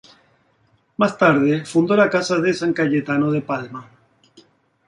Más tarde fundó la casa de San Cayetano de Palma.